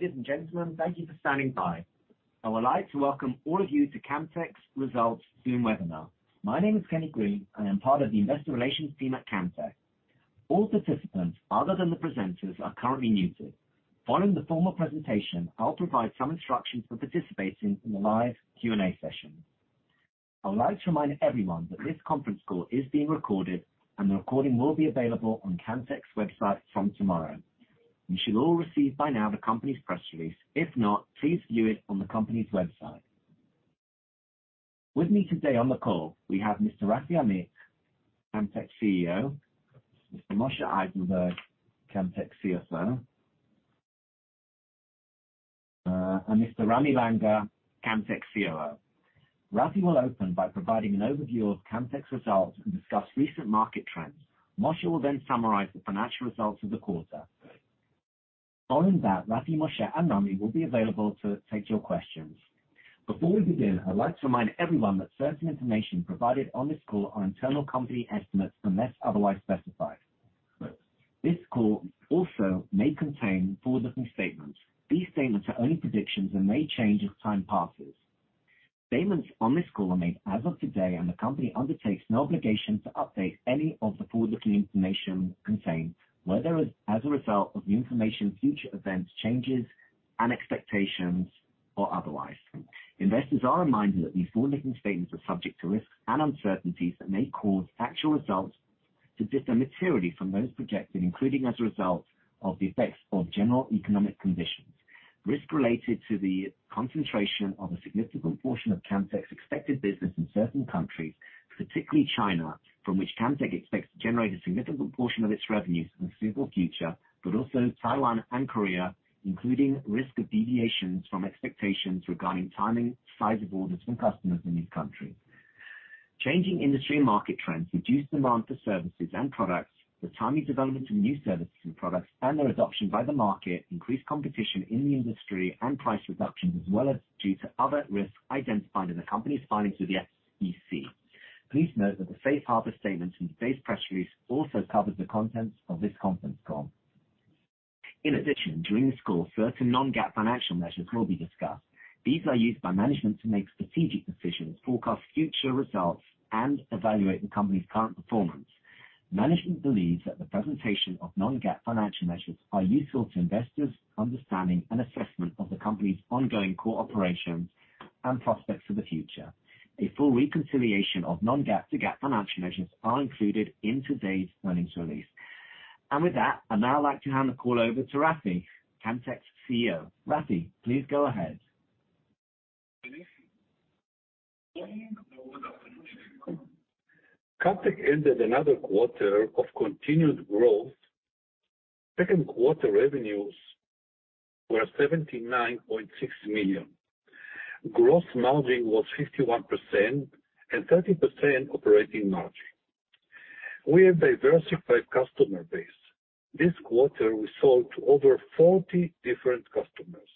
Ladies and gentlemen, thank you for standing by. I would like to welcome all of you to Camtek's Results Zoom webinar. My name is Kenny Green. I am part of the investor relations team at Camtek. All participants other than the presenters are currently muted. Following the formal presentation, I'll provide some instructions for participating in the live Q&A session. I would like to remind everyone that this conference call is being recorded, and the recording will be available on Camtek's website from tomorrow. You should all receive by now the company's press release. If not, please view it on the company's website. With me today on the call, we have Mr. Rafi Amit, Camtek CEO, Mr. Moshe Eisenberg, Camtek CFO, and Mr. Ramy Langer, Camtek COO. Rafi will open by providing an overview of Camtek's results and discuss recent market trends. Moshe will then summarize the financial results of the quarter. Following that, Rafi, Moshe, and Ramy will be available to take your questions. Before we begin, I'd like to remind everyone that certain information provided on this call are internal company estimates unless otherwise specified. This call also may contain forward-looking statements. These statements are only predictions and may change as time passes. Statements on this call are made as of today, and the company undertakes no obligation to update any of the forward-looking information contained, whether as a result of new information, future events, changes, and expectations, or otherwise. Investors are reminded that these forward-looking statements are subject to risks and uncertainties that may cause actual results to differ materially from those projected, including as a result of the effects of general economic conditions. Risk related to the concentration of a significant portion of Camtek's expected business in certain countries, particularly China, from which Camtek expects to generate a significant portion of its revenues in the foreseeable future, but also Taiwan and Korea, including risk of deviations from expectations regarding timing, size of orders from customers in these countries. Changing industry and market trends, reduced demand for services and products, the timing, development of new services and products, and their adoption by the market, increased competition in the industry and price reductions, as well as due to other risks identified in the company's filings with the SEC. Please note that the safe harbor statements in today's press release also covers the contents of this conference call. In addition, during this call, certain non-GAAP financial measures will be discussed. These are used by management to make strategic decisions, forecast future results, and evaluate the company's current performance. Management believes that the presentation of non-GAAP financial measures are useful to investors' understanding and assessment of the company's ongoing core operations and prospects for the future. A full reconciliation of non-GAAP to GAAP financial measures are included in today's earnings release. With that, I'd now like to hand the call over to Rafi, Camtek's CEO. Rafi, please go ahead. Good evening. Good morning or good afternoon. Camtek ended another quarter of continued growth. Second quarter revenues were $79.6 million. Gross margin was 51% and 30% operating margin. We have diversified customer base. This quarter, we sold to over 40 different customers.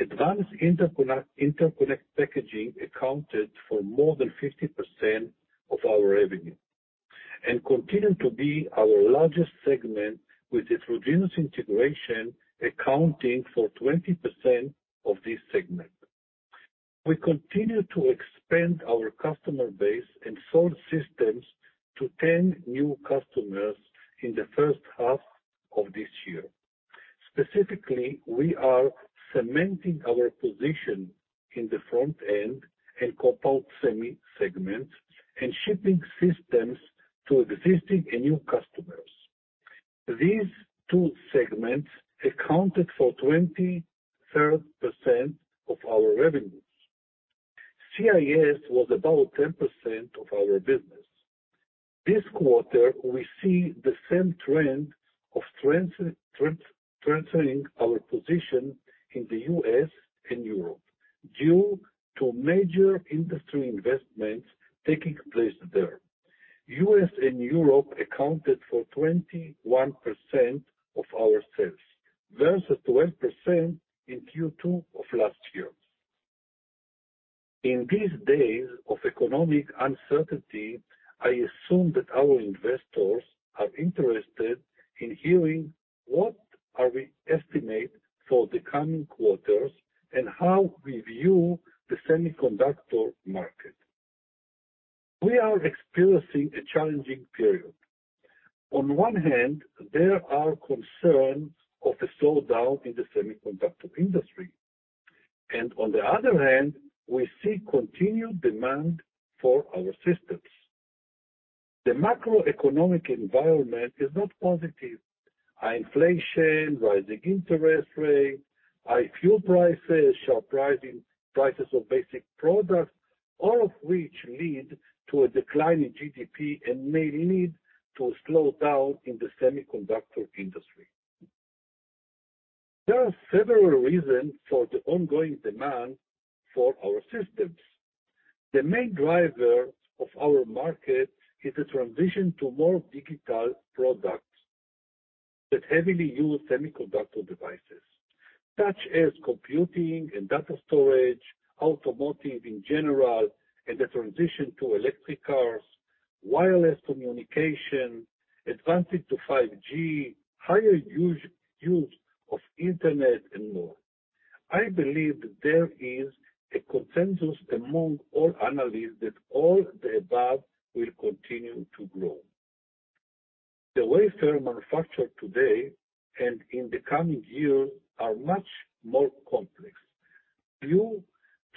Advanced interconnect packaging accounted for more than 50% of our revenue and continued to be our largest segment with its heterogeneous integration accounting for 20% of this segment. We continue to expand our customer base and sold systems to 10 new customers in the first half of this year. Specifically, we are cementing our position in the front-end and compound semi segment and shipping systems to existing and new customers. These two segments accounted for 23% of our revenues. CIS was about 10% of our business. This quarter, we see the same trend of transferring our position in the U.S. and Europe due to major industry investments taking place there. U.S. and Europe accounted for 21% of our sales versus 12% in Q2 of last year. In these days of economic uncertainty, I assume that our investors are interested in hearing what are we estimate for the coming quarters and how we view the semiconductor market. We are experiencing a challenging period. On one hand, there are concerns of a slowdown in the semiconductor industry, and on the other hand, we see continued demand for our systems. The macroeconomic environment is not positive. Inflation, rising interest rate, fuel prices, sharply rising prices of basic products, all of which lead to a decline in GDP and may lead to a slowdown in the semiconductor industry. There are several reasons for the ongoing demand for our systems. The main driver of our market is the transition to more digital products that heavily use semiconductor devices, such as computing and data storage, automotive in general, and the transition to electric cars. Wireless communication, advancement to 5G, higher use of internet and more. I believe that there is a consensus among all analysts that all the above will continue to grow. The wafer manufacture today and in the coming years are much more complex due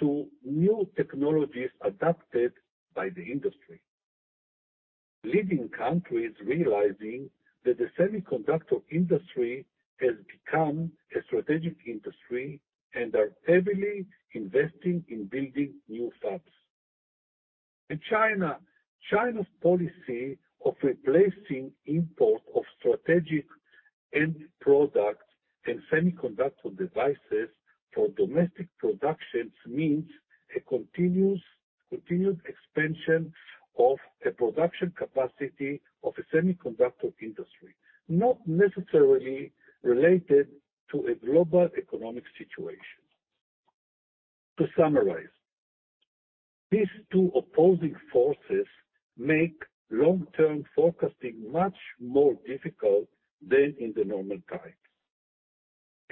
to new technologies adopted by the industry. Leading countries realizing that the semiconductor industry has become a strategic industry and are heavily investing in building new fabs. In China's policy of replacing import of strategic end products and semiconductor devices for domestic productions means a continuous, continued expansion of a production capacity of a semiconductor industry, not necessarily related to a global economic situation. To summarize, these two opposing forces make long-term forecasting much more difficult than in the normal times.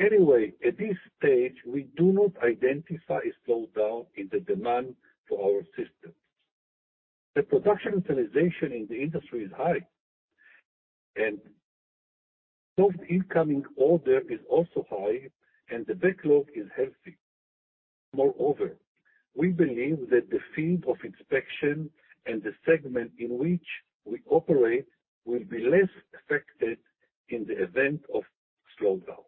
Anyway, at this stage, we do not identify a slowdown in the demand for our systems. The production utilization in the industry is high, and both incoming order is also high and the backlog is healthy. Moreover, we believe that the field of inspection and the segment in which we operate will be less affected in the event of slowdown.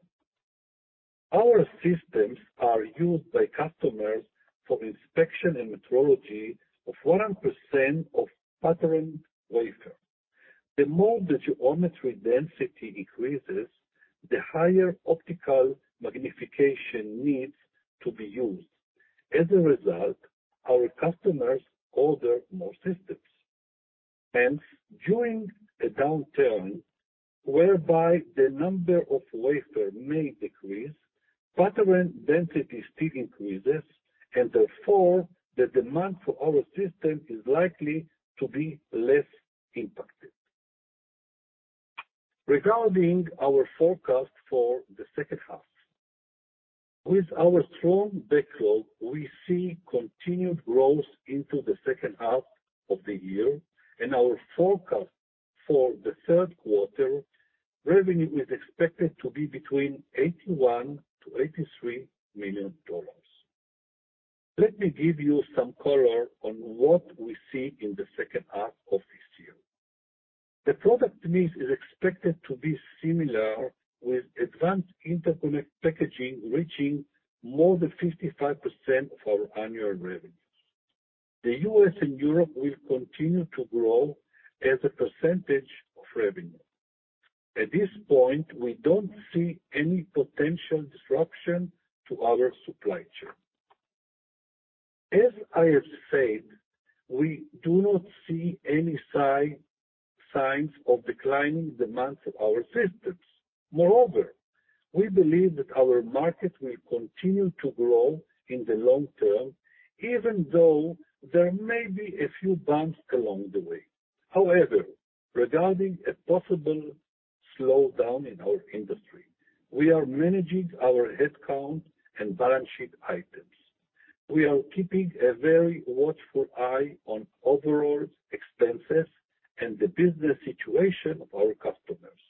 Our systems are used by customers for inspection and metrology of 100% of patterned wafer. The more the geometry density increases, the higher optical magnification needs to be used. As a result, our customers order more systems. Hence, during a downturn whereby the number of wafers may decrease, pattern density still increases and therefore the demand for our system is likely to be less impacted. Regarding our forecast for the second half. With our strong backlog, we see continued growth into the second half of the year. In our forecast for the third quarter, revenue is expected to be between $81 million-$83 million. Let me give you some color on what we see in the second half of this year. The product mix is expected to be similar, with advanced interconnect packaging reaching more than 55% of our annual revenues. The U.S. and Europe will continue to grow as a percentage of revenue. At this point, we don't see any potential disruption to our supply chain. As I have said, we do not see any signs of declining demand for our systems. Moreover, we believe that our market will continue to grow in the long term, even though there may be a few bumps along the way. However, regarding a possible slowdown in our industry, we are managing our headcount and balance sheet items. We are keeping a very watchful eye on overall expenses and the business situation of our customers.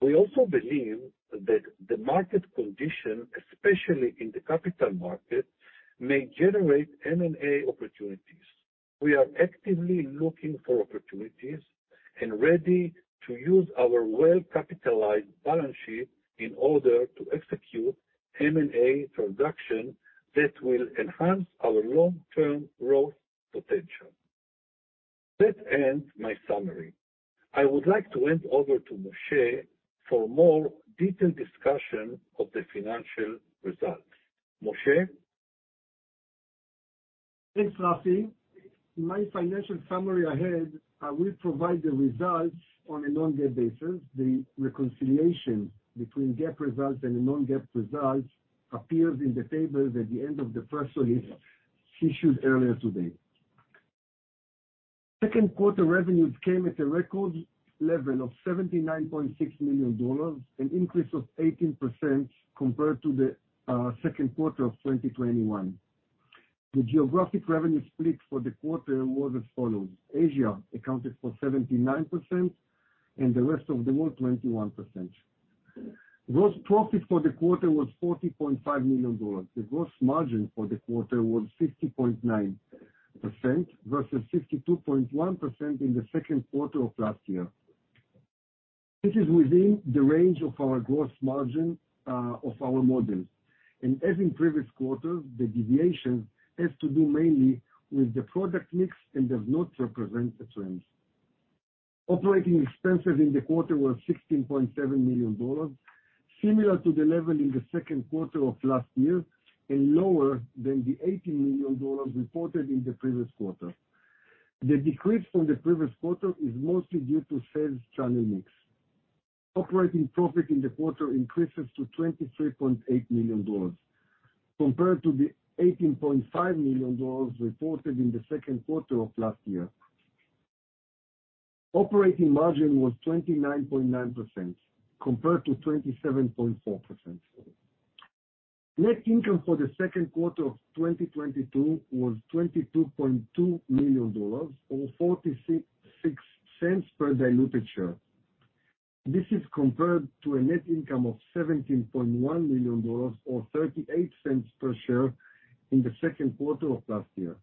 We also believe that the market condition, especially in the capital market, may generate M&A opportunities. We are actively looking for opportunities and ready to use our well-capitalized balance sheet in order to execute M&A transaction that will enhance our long-term growth potential. That ends my summary. I would like to hand over to Moshe for more detailed discussion of the financial results. Moshe. Thanks, Rafi. In my financial summary ahead, I will provide the results on a non-GAAP basis. The reconciliation between GAAP results and non-GAAP results appears in the tables at the end of the press release issued earlier today. Second quarter revenues came at a record level of $79.6 million, an increase of 18% compared to the second quarter of 2021. The geographic revenue split for the quarter was as follows. Asia accounted for 79% and the rest of the world 21%. Gross profit for the quarter was $40.5 million. The gross margin for the quarter was 60.9% versus 62.1% in the second quarter of last year. This is within the range of our gross margin of our models. As in previous quarters, the deviation has to do mainly with the product mix and does not represent a trend. Operating expenses in the quarter were $16.7 million, similar to the level in the second quarter of last year and lower than the $80 million reported in the previous quarter. The decrease from the previous quarter is mostly due to sales channel mix. Operating profit in the quarter increases to $23.8 million, compared to the $18.5 million reported in the second quarter of last year. Operating margin was 29.9%, compared to 27.4%. Net income for the second quarter of 2022 was $22.2 million or 46.6 cents per diluted share. This is compared to a net income of $17.1 million or $0.38 per share in the second quarter of last year.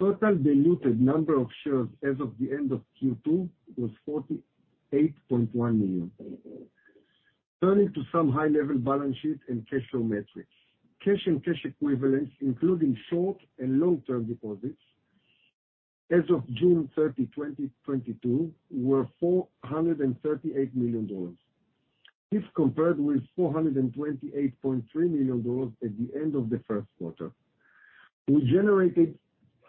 Total diluted number of shares as of the end of Q2 was 48.1 million. Turning to some high-level balance sheet and cash flow metrics. Cash and cash equivalents, including short- and long-term deposits, as of June 30, 2022, were $438 million. This compared with $428.3 million at the end of the first quarter. We generated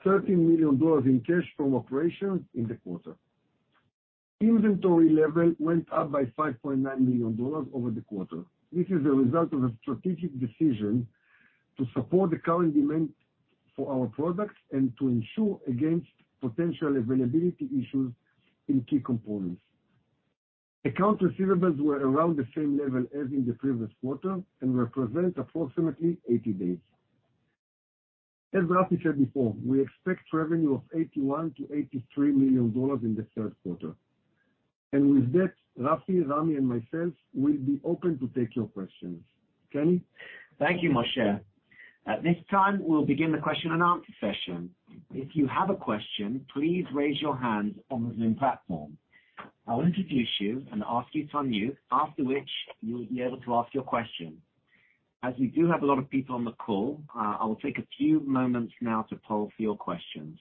$13 million in cash from operations in the quarter. Inventory level went up by $5.9 million over the quarter. This is a result of a strategic decision to support the current demand for our products and to ensure against potential availability issues in key components. Accounts receivable were around the same level as in the previous quarter and represent approximately 80 days. As Rafi said before, we expect revenue of $81 million-$83 million in the third quarter. With that, Rafi, Rami, and myself will be open to take your questions. Kenny? Thank you, Moshe. At this time, we'll begin the question and answer session. If you have a question, please raise your hand on the Zoom platform. I'll introduce you and ask you to unmute, after which you'll be able to ask your question. As we do have a lot of people on the call, I will take a few moments now to poll for your questions.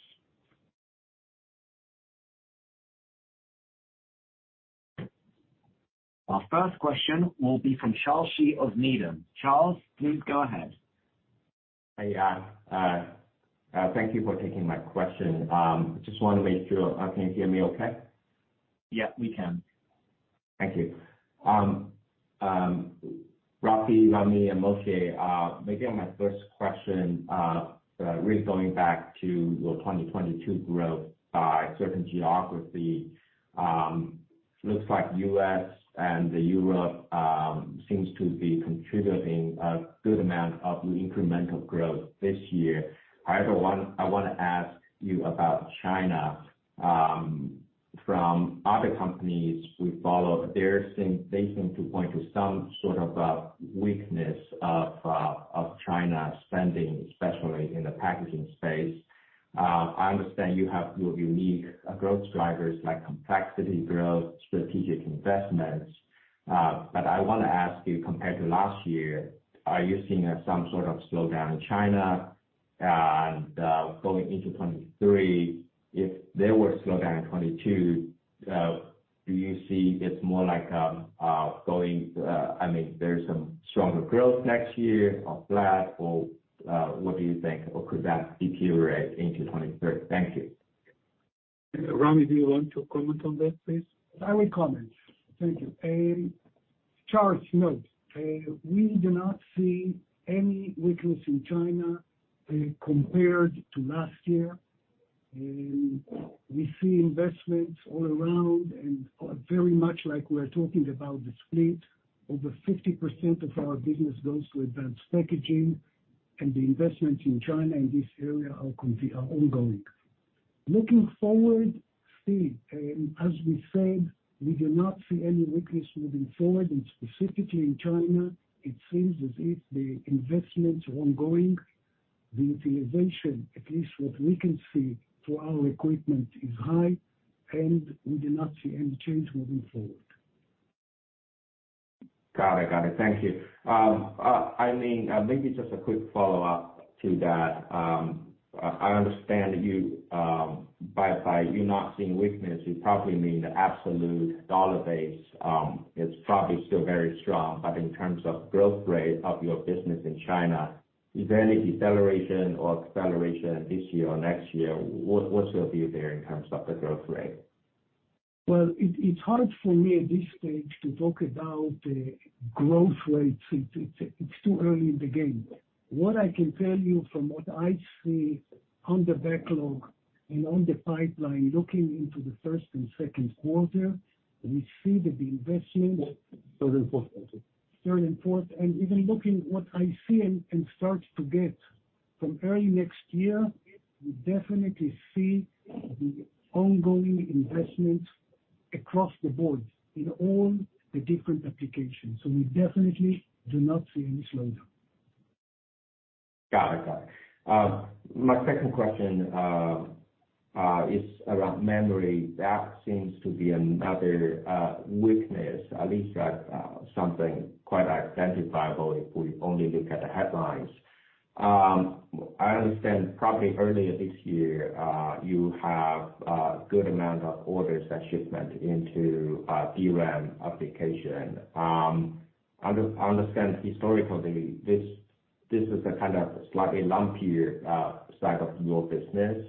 Our first question will be from Charles Shi of Needham. Charles, please go ahead. Hey, thank you for taking my question. Just want to make sure, can you hear me okay? Yeah, we can. Thank you. Rafi, Ramy, and Moshe, maybe my first question really going back to your 2022 growth by certain geography. Looks like U.S. and Europe seems to be contributing a good amount of incremental growth this year. However, I want to ask you about China. From other companies we follow, they seem to point to some sort of a weakness of China spending, especially in the packaging space. I understand you have your unique growth drivers like complexity growth, strategic investments, but I want to ask you, compared to last year, are you seeing some sort of slowdown in China? Going into 2023, if there were a slowdown in 2022, do you see it's more like, I mean, there's some stronger growth next year or flat, or what do you think? Or could that deteriorate into 2023? Thank you. Ramy, do you want to comment on that, please? I will comment. Thank you. Charles, no. We do not see any weakness in China, compared to last year. We see investments all around and very much like we're talking about the split. Over 50% of our business goes to advanced packaging and the investments in China in this area are ongoing. Looking forward, as we said, we do not see any weakness moving forward, and specifically in China, it seems as if the investments are ongoing. The utilization, at least what we can see through our equipment is high, and we do not see any change moving forward. Got it. Thank you. I mean, maybe just a quick follow-up to that. I understand you by you not seeing weakness, you probably mean the absolute dollar base is probably still very strong. In terms of growth rate of your business in China, is there any deceleration or acceleration this year or next year? What's your view there in terms of the growth rate? Well, it's hard for me at this stage to talk about the growth rates. It's too early in the game. What I can tell you from what I see on the backlog and on the pipeline looking into the first and second quarter, we see that the investment. Third and fourth quarter. Third and fourth, and even looking what I see and start to get from early next year, we definitely see the ongoing investment across the board in all the different applications. We definitely do not see any slowdown. Got it. My second question is around memory. That seems to be another weakness, at least something quite identifiable if we only look at the headlines. I understand probably earlier this year you have a good amount of orders that ship into DRAM application. I understand historically this is a kind of slightly lumpier side of your business.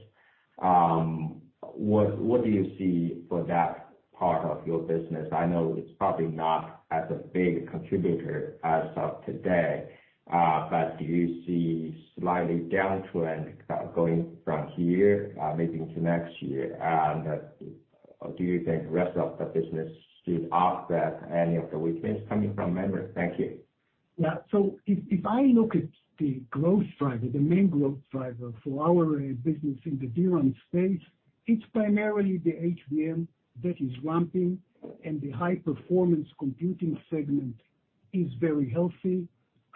What do you see for that part of your business? I know it's probably not as a big contributor as of today, but do you see a slight downtrend going from here, maybe to next year? Do you think rest of the business should offset any of the weakness coming from memory? Thank you. Yeah. If I look at the growth driver, the main growth driver for our business in the DRAM space, it's primarily the HBM that is ramping and the high performance computing segment is very healthy.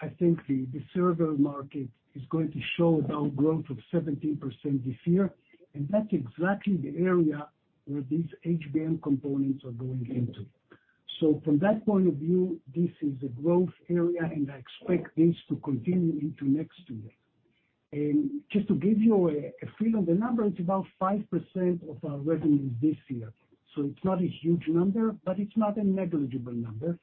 I think the server market is going to show about growth of 17% this year, and that's exactly the area where these HBM components are going into. From that point of view, this is a growth area, and I expect this to continue into next year. Just to give you a feel of the number, it's about 5% of our revenue this year, so it's not a huge number, but it's not a negligible number.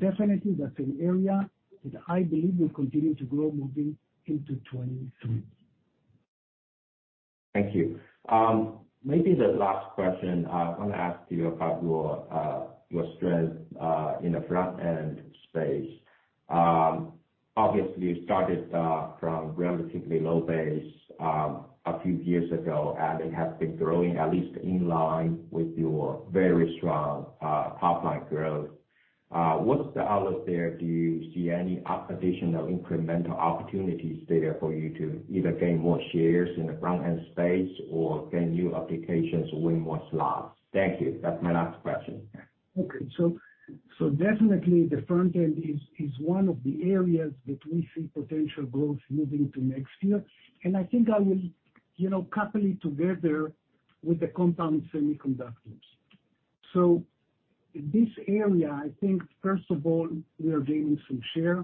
Definitely that's an area that I believe will continue to grow moving into 2023. Thank you. Maybe the last question I want to ask you about your strength in the front-end space. Obviously you started from relatively low base a few years ago, and it has been growing at least in line with your very strong top-line growth. What's the outlook there? Do you see any additional incremental opportunities there for you to either gain more shares in the front-end space or gain new applications, win more slots? Thank you. That's my last question. Okay. Definitely the front end is one of the areas that we see potential growth moving to next year. I think I will, you know, couple it together with the compound semiconductors. In this area, I think first of all, we are gaining some share.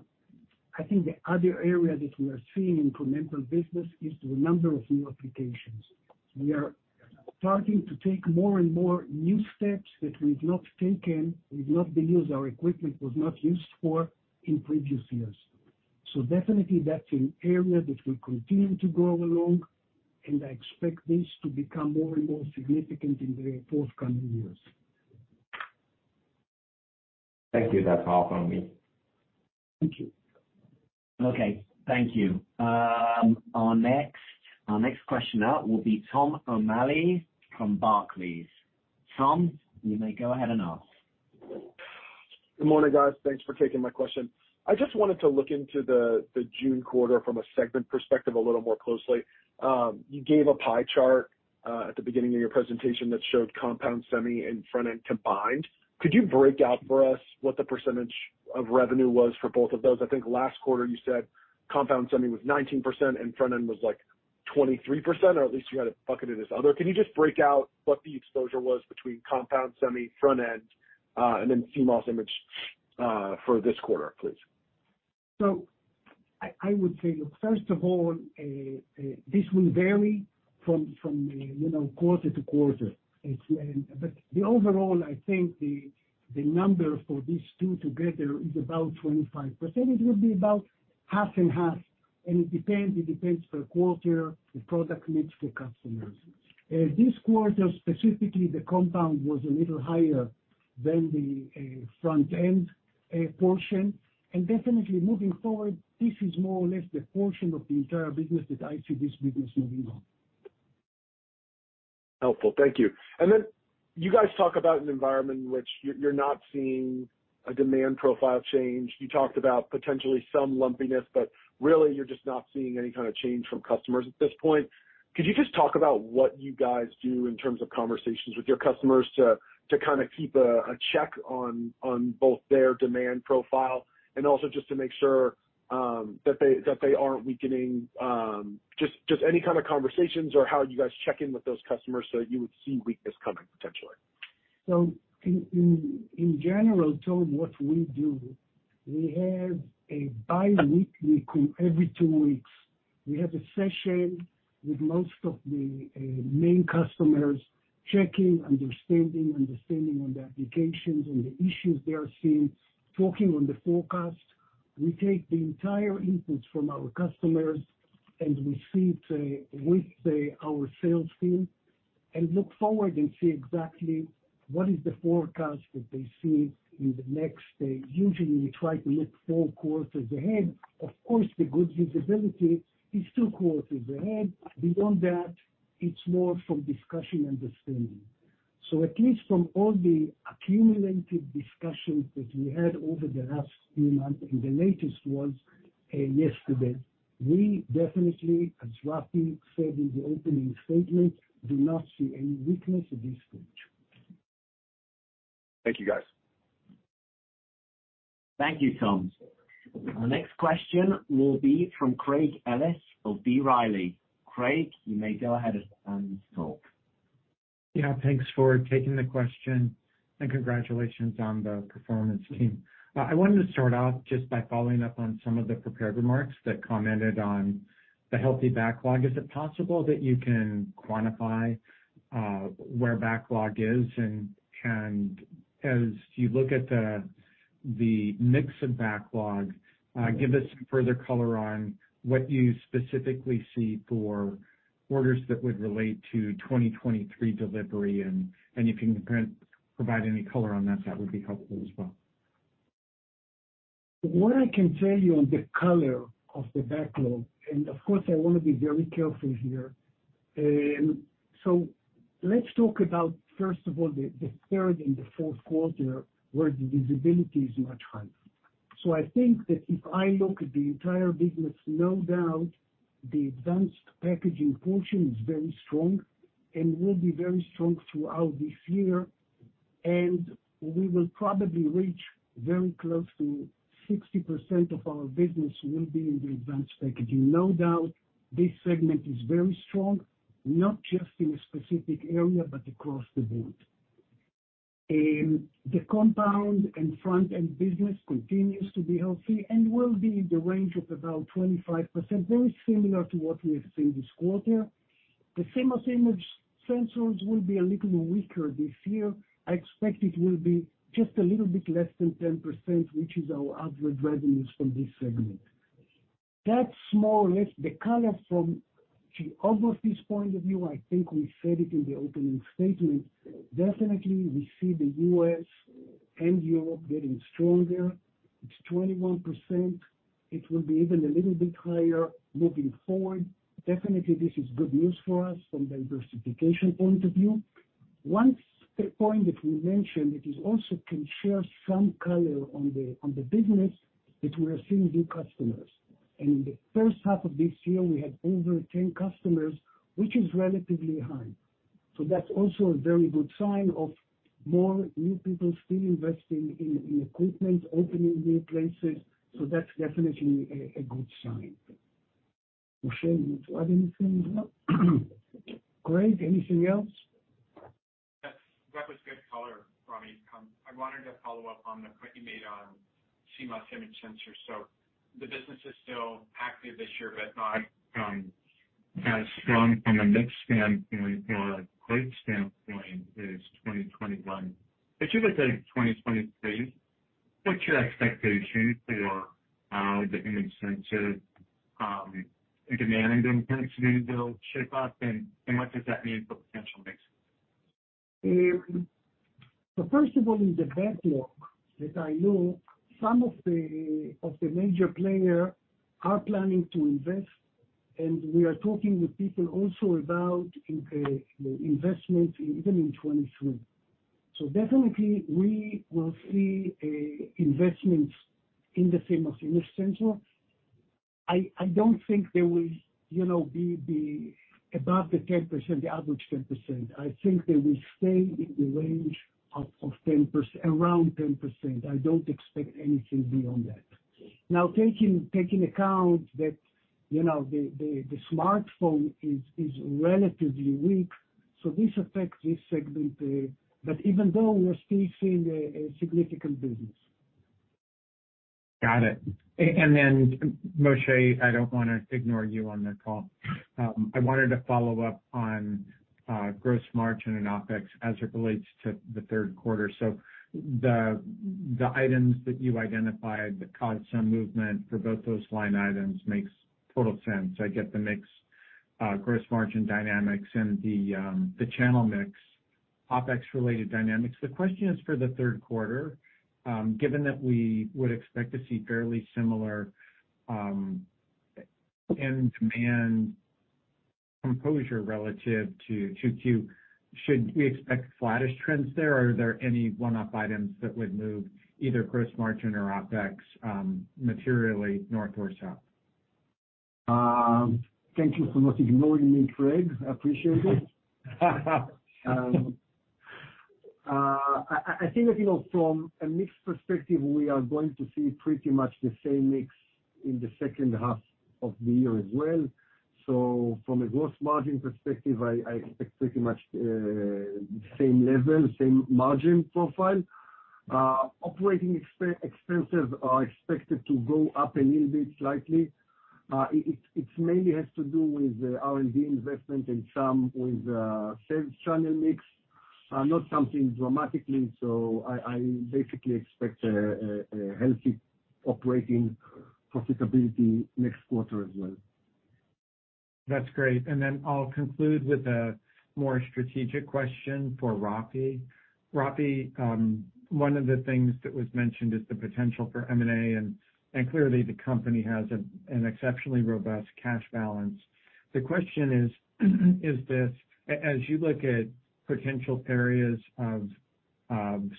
I think the other area that we are seeing incremental business is the number of new applications. We are starting to take more and more new steps that our equipment was not used for in previous years. Definitely that's an area that will continue to grow along, and I expect this to become more and more significant in the forthcoming years. Thank you. That's all from me. Thank you. Okay. Thank you. Our next question up will be Thomas O'Malley from Barclays. Tom, you may go ahead and ask. Good morning, guys. Thanks for taking my question. I just wanted to look into the June quarter from a segment perspective a little more closely. You gave a pie chart at the beginning of your presentation that showed compound semiconductor and front-end combined. Could you break out for us what the percentage of revenue was for both of those? I think last quarter you said compound semiconductor was 19% and front-end was like 23%, or at least you had it bucketed as other. Can you just break out what the exposure was between compound semiconductor, front-end, and then CMOS image for this quarter, please? I would say, look, first of all, this will vary from, you know, quarter-to-quarter. But the overall, I think, the number for these two together is about 25%. It would be about half and half, and it depends per quarter, the product mix for customers. This quarter specifically, the compound was a little higher than the front end portion. Definitely moving forward, this is more or less the portion of the entire business that I see this business moving on. Helpful. Thank you. You guys talk about an environment in which you're not seeing a demand profile change. You talked about potentially some lumpiness, but really you're just not seeing any kind of change from customers at this point. Could you just talk about what you guys do in terms of conversations with your customers to kind of keep a check on both their demand profile and also just to make sure that they aren't weakening just any kind of conversations or how you guys check in with those customers so you would see weakness coming potentially? In general, Thomas O'Malley, what we do, we have a bi-weekly, every two weeks, we have a session with most of the main customers checking understanding on the applications and the issues they are seeing, talking on the forecast. We take the entire inputs from our customers and we see it with our sales team and look forward and see exactly what is the forecast that they see in the next, usually we try to look four quarters ahead. Of course, the good visibility is two quarters ahead. Beyond that, it's more from discussion understanding. At least from all the accumulated discussions that we had over the last few months, and the latest was yesterday, we definitely, as Rafi said in the opening statement, do not see any weakness at this stage. Thank you, guys. Thank you, Tom. Our next question will be from Craig Ellis of B. Riley. Craig, you may go ahead and talk. Yeah, thanks for taking the question and congratulations on the performance team. I wanted to start off just by following up on some of the prepared remarks that commented on the healthy backlog. Is it possible that you can quantify where backlog is? As you look at the mix of backlog. Give us some further color on what you specifically see for orders that would relate to 2023 delivery, and if you can provide any color on that would be helpful as well. What I can tell you on the color of the backlog, and of course, I want to be very careful here. Let's talk about, first of all, the third and the fourth quarter, where the visibility is much higher. I think that if I look at the entire business, no doubt the advanced packaging portion is very strong and will be very strong throughout this year. We will probably reach very close to 60% of our business will be in the advanced packaging. No doubt, this segment is very strong, not just in a specific area, but across the board. The compound and front-end business continues to be healthy and will be in the range of about 25%, very similar to what we have seen this quarter. The CMOS image sensors will be a little weaker this year. I expect it will be just a little bit less than 10%, which is our average revenues from this segment. That's more or less the color from geographical point of view. I think we said it in the opening statement. Definitely we see the U.S. and Europe getting stronger. It's 21%. It will be even a little bit higher moving forward. Definitely, this is good news for us from diversification point of view. One point that we mentioned, it is also can share some color on the business, that we are seeing new customers. In the first half of this year, we had over 10 customers, which is relatively high. So that's also a very good sign of more new people still investing in equipment, opening new places. So that's definitely a good sign. Moshe, you want to add anything as well? No. Craig, anything else? Yes. That was good color, Ramy. I wanted to follow up on the point you made on CMOS image sensor. The business is still active this year, but not as strong from a mix standpoint or a growth standpoint as 2021. As you look to 2023, what's your expectation for the image sensor demand and mix maybe build shape up, and what does that mean for potential mix? First of all, in the backlog that I know, some of the major players are planning to invest, and we are talking with people also about investment even in 2023. Definitely we will see investments in the CMOS image sensor. I don't think they will, you know, be above the 10%, the average 10%. I think they will stay in the range of 10%, around 10%. I don't expect anything beyond that. Now, taking account that, you know, the smartphone is relatively weak, so this affects this segment, but even though we're still seeing a significant business. Got it. Moshe, I don't wanna ignore you on the call. I wanted to follow up on gross margin and OpEx as it relates to the third quarter. The items that you identified that caused some movement for both those line items makes total sense. I get the mix, gross margin dynamics and the channel mix, OpEx related dynamics. The question is for the third quarter, given that we would expect to see fairly similar end demand composition relative to 2Q, should we expect flattish trends there? Are there any one-off items that would move either gross margin or OpEx materially north or south? Thank you for not ignoring me, Craig. I appreciate it. I think that, you know, from a mix perspective, we are going to see pretty much the same mix in the second half of the year as well. From a gross margin perspective, I expect pretty much same level, same margin profile. Operating expenses are expected to go up a little bit slightly. It mainly has to do with R&D investment and some with sales channel mix. Not something dramatically, I basically expect a healthy operating profitability next quarter as well. That's great. Then I'll conclude with a more strategic question for Rafi. Rafi, one of the things that was mentioned is the potential for M&A, and clearly the company has a, an exceptionally robust cash balance. The question is, as you look at potential areas of,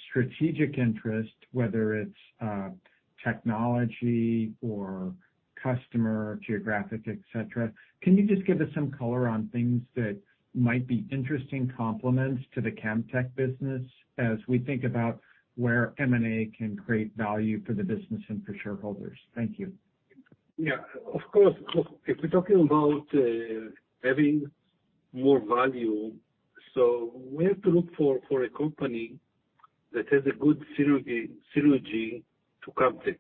strategic interest, whether it's, technology or customer, geographic, et cetera, can you just give us some color on things that might be interesting complements to the Camtek business as we think about where M&A can create value for the business and for shareholders? Thank you. Yeah. Of course. If we're talking about having more value, so we have to look for a company that has a good synergy to Camtek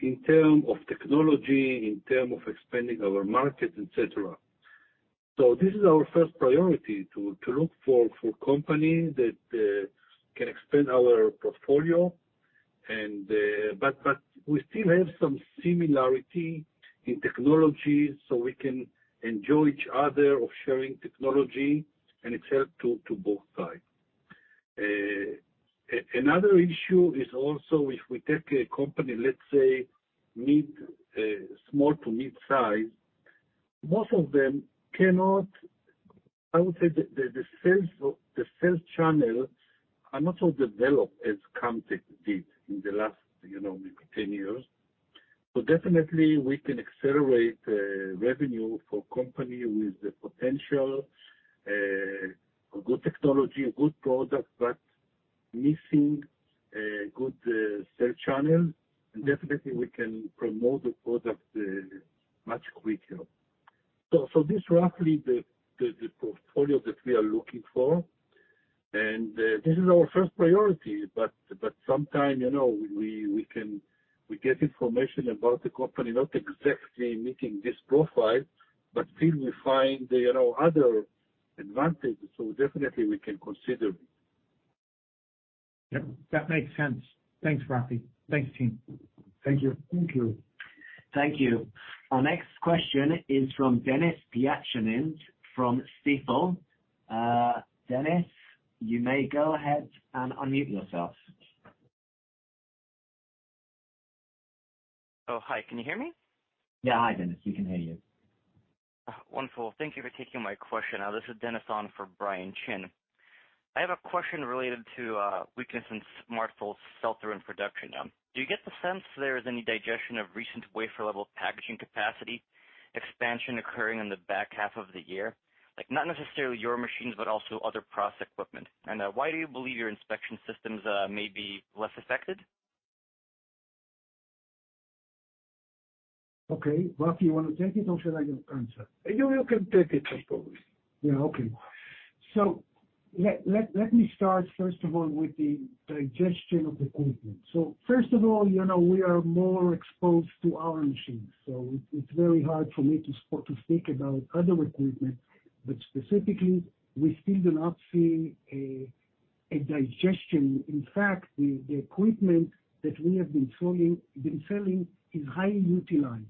in terms of technology, in terms of expanding our market, et cetera. This is our first priority, to look for a company that can expand our portfolio and, but we still have some similarity in technology, so we can enjoy each other's sharing technology, and it helps to both sides. Another issue is also if we take a company, let's say small to mid-size, most of them cannot. I would say the sales channel are not so developed as Camtek did in the last, you know, maybe 10 years. Definitely we can accelerate revenue for a company with the potential, a good technology, a good product, but missing a good sales channel. Definitely we can promote the product much quicker. This is roughly the portfolio that we are looking for, and this is our first priority. Sometimes, you know, we get information about the company not exactly meeting this profile, but still we find, you know, other advantages. Definitely we can consider it. Yep, that makes sense. Thanks, Rafi. Thanks, team. Thank you. Thank you. Thank you. Our next question is from Denis Pyatchanin from Stifel. Denis, you may go ahead and unmute yourself. Oh, hi. Can you hear me? Yeah. Hi, Denis. We can hear you. Wonderful. Thank you for taking my question. This is Denis Pyatchanin on for Brian Chin. I have a question related to weakness in smartphone's sell-through and production. Do you get the sense there is any digestion of recent wafer-level packaging capacity expansion occurring in the back half of the year? Like, not necessarily your machines but also other process equipment. Why do you believe your inspection systems may be less affected? Okay. Rafi, you wanna take it or should I answer? You can take it, I suppose. Yeah, okay. Let me start first of all with the digestion of equipment. First of all, you know, we are more exposed to our machines, so it's very hard for me to speak about other equipment. But specifically, we still do not see a digestion. In fact, the equipment that we have been selling is highly utilized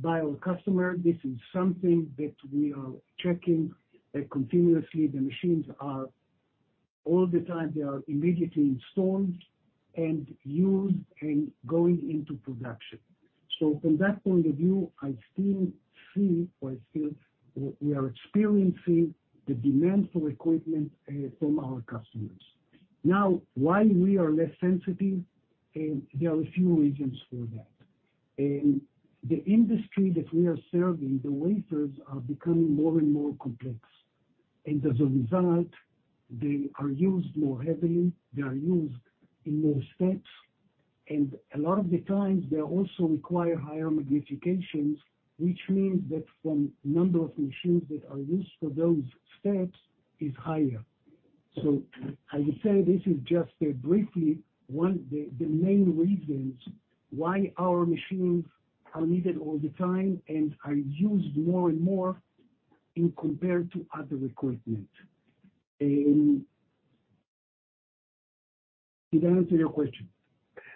by our customer. This is something that we are checking, like, continuously. The machines are all the time immediately installed and used and going into production. From that point of view, I still see or I still, we are experiencing the demand for equipment from our customers. Now, why we are less sensitive, there are a few reasons for that. The industry that we are serving, the wafers are becoming more and more complex. As a result, they are used more heavily, they are used in more steps, and a lot of the times they also require higher magnifications, which means that the number of machines that are used for those steps is higher. I would say this is just briefly one of the main reasons why our machines are needed all the time and are used more and more as compared to other equipment. Did I answer your question?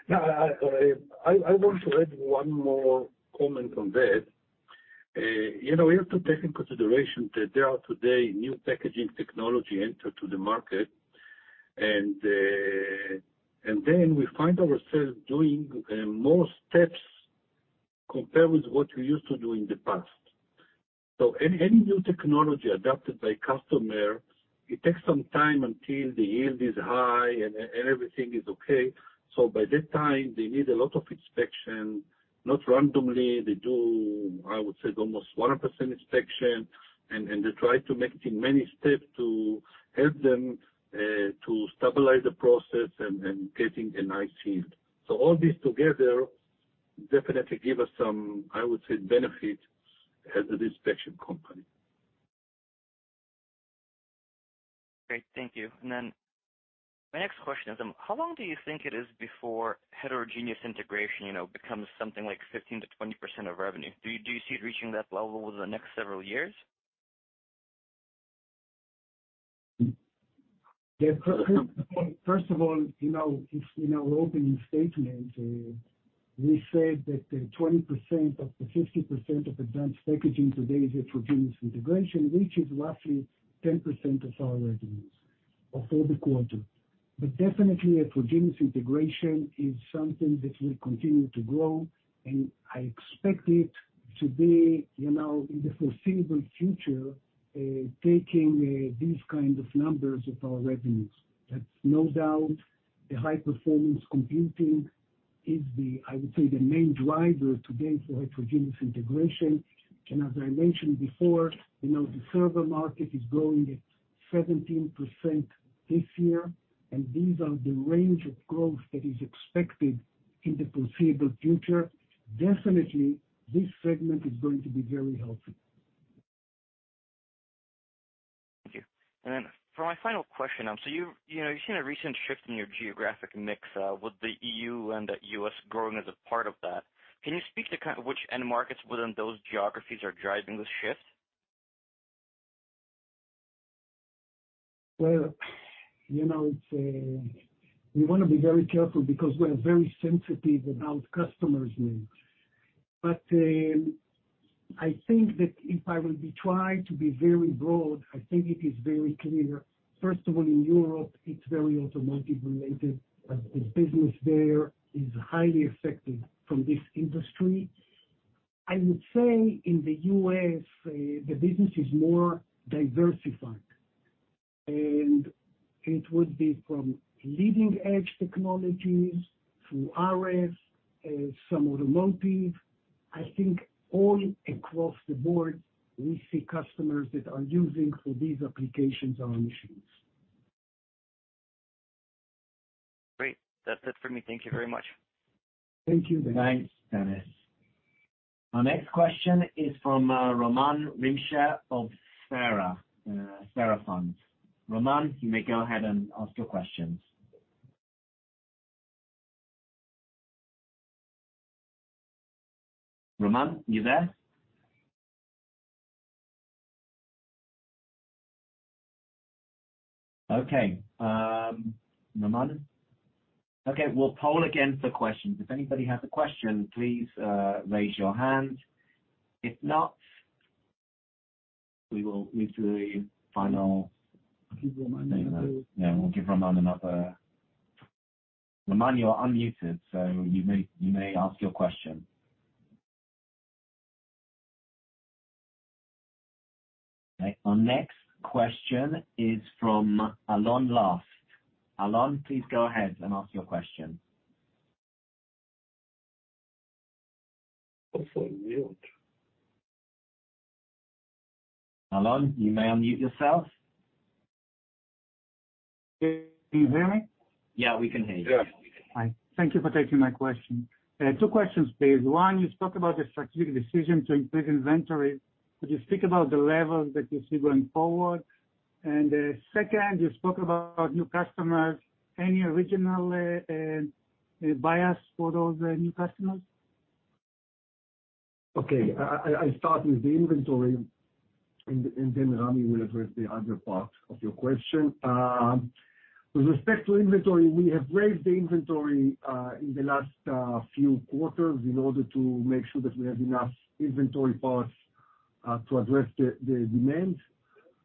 No, I want to add one more comment on that. You know, we have to take into consideration that there are today new packaging technologies entering the market, and then we find ourselves doing more steps compared with what we used to do in the past. Any new technology adopted by customer, it takes some time until the yield is high and everything is okay. By that time, they need a lot of inspection, not randomly. They do, I would say, almost 100% inspection, and they try to make it in many steps to help them to stabilize the process and getting a nice yield. All this together definitely give us some, I would say, benefit as an inspection company. Great. Thank you. My next question is, how long do you think it is before heterogeneous integration, you know, becomes something like 15%-20% of revenue? Do you see it reaching that level within the next several years? First of all, you know, if in our opening statement, we said that 20% of the 50% of advanced packaging today is heterogeneous integration, which is roughly 10% of our revenues for the quarter. Definitely heterogeneous integration is something that will continue to grow, and I expect it to be, you know, in the foreseeable future, taking these kind of numbers of our revenues. That's no doubt the high performance computing is the, I would say, the main driver today for heterogeneous integration. As I mentioned before, you know, the server market is growing at 17% this year, and these are the range of growth that is expected in the foreseeable future. Definitely, this segment is going to be very healthy. Thank you. For my final question, so you know, you've seen a recent shift in your geographic mix, with the E.U. and the U.S. growing as a part of that. Can you speak to kind of which end markets within those geographies are driving the shift? Well, you know, it's. We wanna be very careful because we're very sensitive about customers' needs. I think that if I will be trying to be very broad, I think it is very clear, first of all, in Europe, it's very automotive related, the business there is highly affected from this industry. I would say in the U.S., the business is more diversified. It would be from leading-edge technologies through RFs, some automotive. I think all across the board, we see customers that are using for these applications our machines. Great. That's it for me. Thank you very much. Thank you. Thanks, Denis. Our next question is from [Raman Remsha] of SARA Fund. Raman, you may go ahead and ask your questions. Raman, you there? Okay, Raman? Okay, we'll poll again for questions. If anybody has a question, please raise your hand. If not, we will move to the final- Give Raman another. Yeah, we'll give Raman another. Raman, you are unmuted, so you may ask your question. Okay. Our next question is from Alon Lavi. Alon please go ahead and ask your question. Also mute. Alon, you may unmute yourself. Can you hear me? Yeah, we can hear you. Yes. Hi. Thank you for taking my question. Two questions please. One, you spoke about the strategic decision to increase inventory. Could you speak about the levels that you see going forward? Second, you spoke about new customers. Any regional bias for those new customers? Okay. I start with the inventory and then Ramy will address the other part of your question. With respect to inventory, we have raised the inventory in the last few quarters in order to make sure that we have enough inventory parts to address the demand.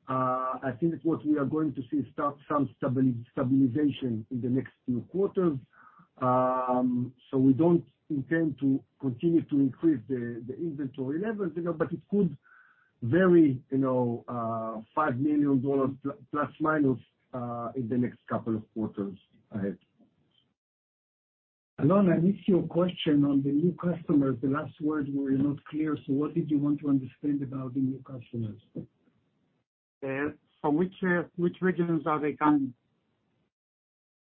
I think what we are going to see some stabilization in the next few quarters. We don't intend to continue to increase the inventory levels, you know, but it could vary, you know, ±$5 million in the next couple of quarters ahead. Alon, I missed your question on the new customers. The last words were not clear, so what did you want to understand about the new customers? From which regions are they coming?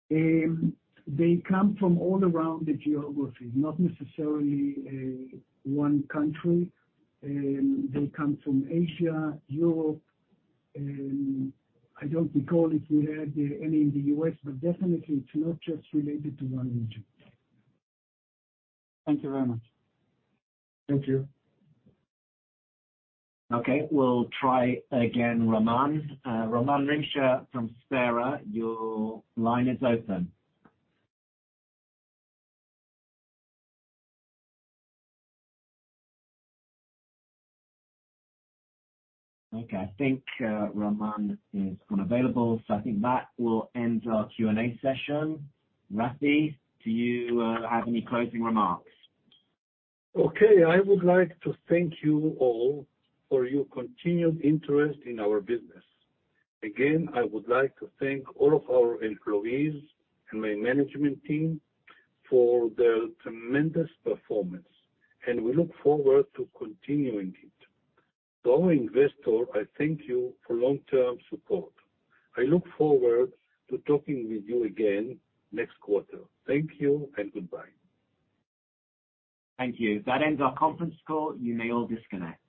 They come from all around the geography, not necessarily one country. They come from Asia, Europe. I don't recall if we had any in the U.S. Definitely it's not just related to one region. Thank you very much. Thank you. Okay. We'll try again, Raman. Raman Rimsha from SARA, your line is open. Okay, I think Raman is unavailable, so I think that will end our Q&A session. Rafi, do you have any closing remarks? Okay. I would like to thank you all for your continued interest in our business. Again, I would like to thank all of our employees and my management team for their tremendous performance, and we look forward to continuing it. To our investor, I thank you for long-term support. I look forward to talking with you again next quarter. Thank you and goodbye. Thank you. That ends our conference call. You may all disconnect.